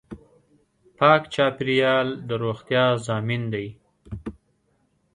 پاک چاپېریال د روغتیا ضامن دی.